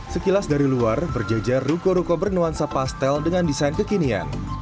sekilas dari luar berjejer ruko ruko bernuansa pastel dengan desain kekinian